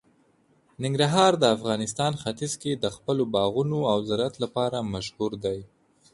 ننګرهار د افغانستان ختیځ کې د خپلو باغونو او زراعت لپاره مشهور دی.